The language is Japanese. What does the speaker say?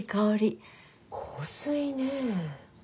香水ねえ。